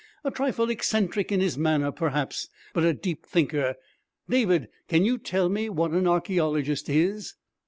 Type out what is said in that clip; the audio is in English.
A trifle eccentric in his manner, perhaps, but a deep thinker. David, can you tell me what an archæologist is?'